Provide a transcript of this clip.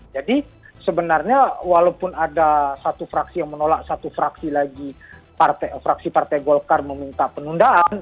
jadi sebenarnya walaupun ada satu fraksi yang menolak satu fraksi lagi fraksi partai golkar meminta penundaan